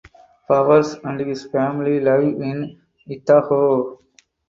Bowers and his family live in Idaho.